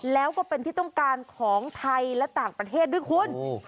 แล้วก็เป็นที่ต้องการของไทยและต่างประเทศด้วยคุณ